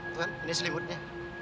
tuhan ini selimutnya